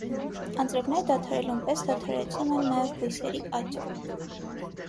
Անձրևները դադարելուն պես դադարեցնում են նաև բույսերի աճը։